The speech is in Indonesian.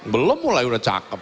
belum mulai udah cakep